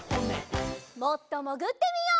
もっともぐってみよう。